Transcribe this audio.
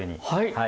はい。